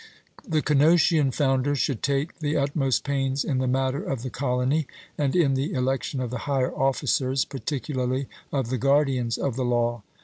The Cnosian founders should take the utmost pains in the matter of the colony, and in the election of the higher officers, particularly of the guardians of the law.